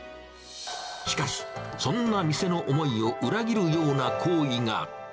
しかし、そんな店の思いを裏切るような行為が。